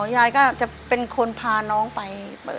ยายก็จะเป็นคนพาน้องไปเปิด